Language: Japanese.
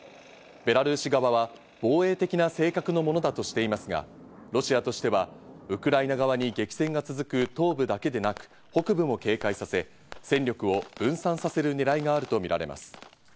ベラルーシ側は「防衛的な性格のものだ」としていますが、ロシアとしてはウクライナ側に激戦が続く東部だけでなく、北部も警戒させ、戦力を分散させる狙いがあるとみられます。